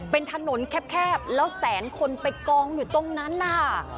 เป็นถนนแคบแล้วแสนคนไปกองอยู่ตรงนั้นนะคะ